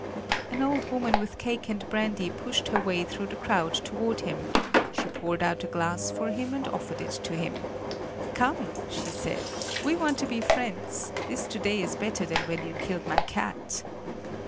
An old woman with cake and brandy pushed her way through the crowd toward him; she poured out a glass for him and offered it to him: "Come," she said, "we want to be friends: this to day is better than when you killed my cat!"